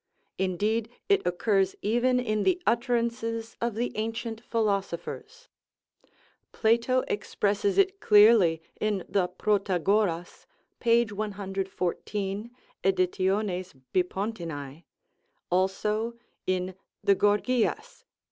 Indeed, it occurs even in the utterances of the ancient philosophers. Plato expresses it clearly in the "Protagoras" (p. 114, edit. Bip.), also in the "Gorgias" (p.